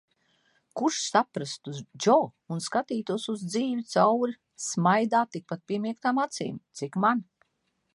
Kurš saprastu Džo un skatītos uz dzīvi caur smaidā tikpat piemiegtām acīm, cik man.